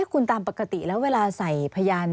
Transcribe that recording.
คุณตามปกติแล้วเวลาใส่พยาน